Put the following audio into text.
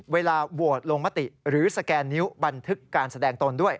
เวลาโหวตลงมติหรือสแกนนิ้วบันทึกการแสดงตนด้วย